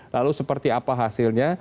lalu seperti apa hasilnya